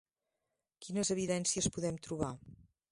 Quines evidències podem trobar?